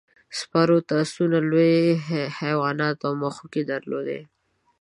سپارو تر اسونو لوی حیوانات او مښوکې درلودې.